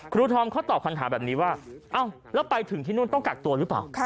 ทอมเขาตอบคำถามแบบนี้ว่าแล้วไปถึงที่นู่นต้องกักตัวหรือเปล่า